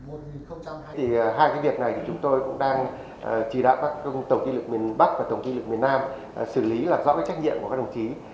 thì đã có các công ty lực miền bắc và công ty lực miền nam xử lý là do cái trách nhiệm của các đồng chí